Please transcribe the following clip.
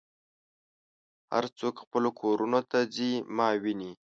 هر څوک خپلو کورونو ته ځي ما وینې.